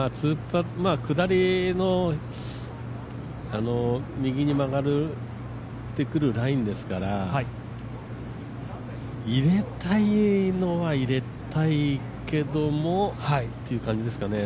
下りの右に曲がってくるラインですから入れたいのは入れたいけどもっていう感じですかね。